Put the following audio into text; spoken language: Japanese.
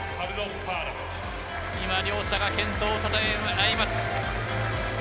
今、両者が健闘を称え合います。